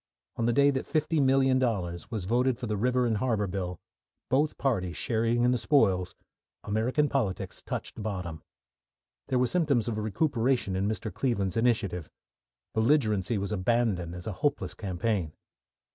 On the day that $50,000,000 was voted for the River and Harbour Bill, both parties sharing in the spoils, American politics touched bottom. There were symptoms of recuperation in Mr. Cleveland's initiative. Belligerency was abandoned as a hopeless campaign.